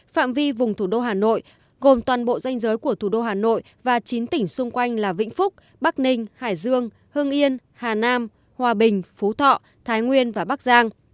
phạm vi vùng thủ đô hà nội gồm toàn bộ danh giới của thủ đô hà nội và chín tỉnh xung quanh là vĩnh phúc bắc ninh hải dương hương yên hà nam hòa bình phú thọ thái nguyên và bắc giang